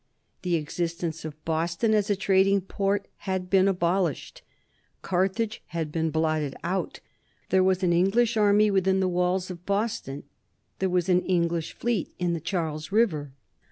The existence of Boston as a trading port had been abolished; Carthage had been blotted out; there was an English army within the walls of Boston; there was an English fleet in the Charles River.